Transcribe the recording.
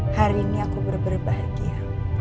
hari ini aku bener bener bahagia